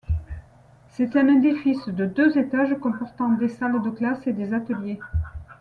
C'est un édifice de deux étages comportant des salles de classes et des ateliers.